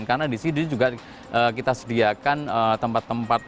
karena di situ juga kita sediakan tempat tempat